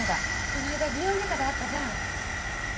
この間美容外科で会ったじゃん？